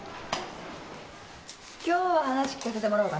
今日は話聞かせてもらおうかな。